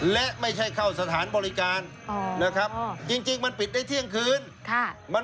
และไม่ใช่เข้าสถานบริการนะครับจริงมันปิดได้เที่ยงคืน